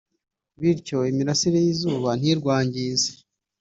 bityo imirasire y’izuba ntirwangize